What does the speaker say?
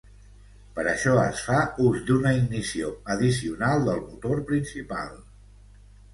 Per això es fa ús d'una ignició addicional del motor principal.